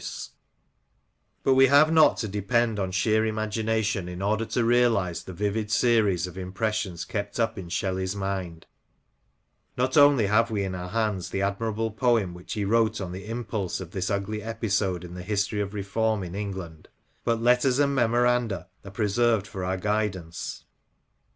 '''"■ c 14 SHELLEY, " PETERLOO;' AND But we have not to depend on sheer imagination in order to realize the vivid series of impressions kept up in Shelley's mind : not only have we in our hands the admirable poem which he wrote on the impulse of this ugly episode in the history of reform in England, but letters and memoranda are preserved for our guidance.